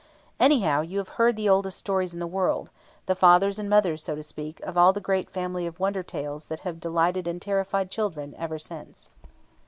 Anyhow, you have heard the oldest stories in all the world the fathers and mothers, so to speak, of all the great family of wonder tales that have delighted and terrified children ever since.